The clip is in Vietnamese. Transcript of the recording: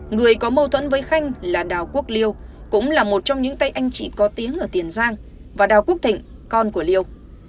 người có mâu thuẫn với khanh là đào quốc liêu cũng là một trong những tay anh chị có tiếng ở tiền giang và đào quốc thịnh con của liêu